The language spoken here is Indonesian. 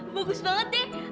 bagus banget deh